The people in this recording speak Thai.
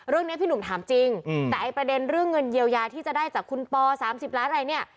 พี่หนุ่มถามจริงแต่ไอ้ประเด็นเรื่องเงินเยียวยาที่จะได้จากคุณปอ๓๐ล้านอะไรเนี่ย